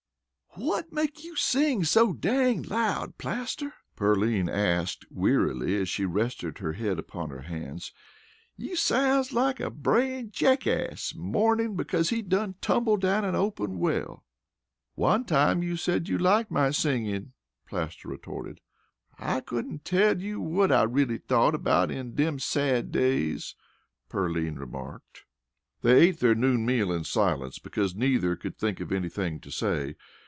"Whut makes you sing so dang loud, Plaster?" Pearline asked wearily, as she rested her head upon her hands. "You sounds like a brayin' jackace mournin' because he done tumbled down a open well." "One time you said you liked my singin'," Plaster retorted. "I couldn't tell you whut I really thought about it in dem sad days," Pearline remarked. They ate their noon meal in silence because neither could think of anything to say.